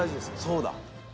そうだ。